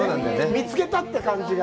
見つけたって感じが。